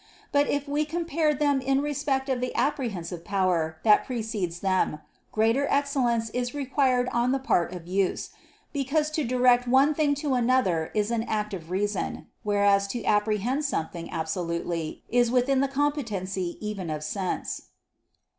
But if we compare them in respect of the apprehensive power that precedes them, greater excellence is required on the part of use: because to direct one thing to another is an act of reason; whereas to apprehend something absolutely is within the competency even of sense.